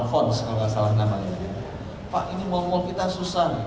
pak ini mal mal kita susah